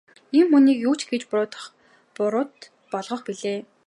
Ийм хүнийг юу ч гэж буруут болгох билээ.